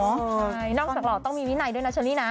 ใช่นอกจากหล่อต้องมีวินัยด้วยนะเชอรี่นะ